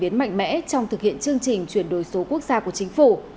tiến mạnh mẽ trong thực hiện chương trình chuyển đổi số quốc gia của chính phủ